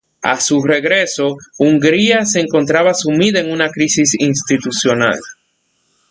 A su regreso, Hungría se encontraba sumida en una crisis institucional.